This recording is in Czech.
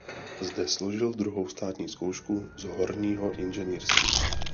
Zde složil druhou státní zkoušku z horního inženýrství.